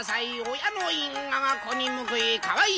親の因果が子に報い。